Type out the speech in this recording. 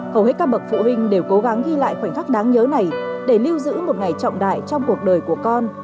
hầu hết các bậc phụ huynh đều cố gắng ghi lại khoảnh khắc đáng nhớ này để lưu giữ một ngày trọng đại trong cuộc đời của con